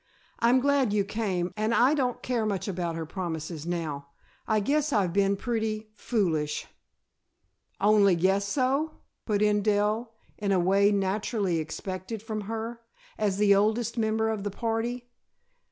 "I'm glad you came and I don't care much about her promises now. I guess I've been pretty foolish." "Only guess so?" put in Dell, in a way naturally expected from her, as the oldest member of the party.